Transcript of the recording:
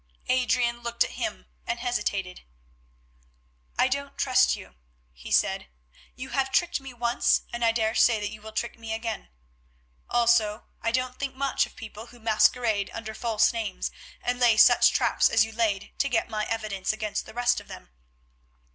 Adrian looked at him and hesitated. "I don't trust you," he said; "you have tricked me once and I daresay that you will trick me again. Also I don't think much of people who masquerade under false names and lay such traps as you laid to get my evidence against the rest of them.